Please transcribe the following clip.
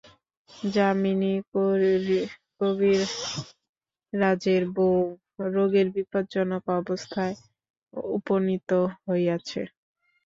যামিনী করিবাজের বৌ রোগের বিপজ্জনক অবস্থায় উপনীত হইয়াছে।